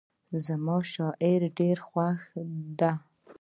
زما شاعري ډېره خوښه ده.